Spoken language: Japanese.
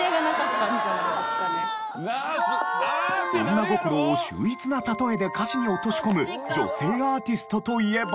女心を秀逸な例えで歌詞に落とし込む女性アーティストといえば。